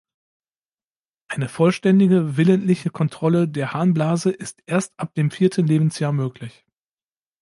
Eine vollständige willentliche Kontrolle der Harnblase ist erst ab dem vierten Lebensjahr möglich.